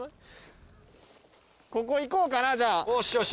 ここいこうかなじゃあ。